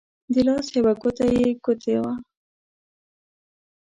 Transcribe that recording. د لاس په يوه ګوته يې ګوتې وه